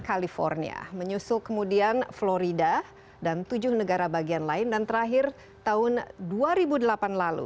california menyusul kemudian florida dan tujuh negara bagian lain dan terakhir tahun dua ribu delapan lalu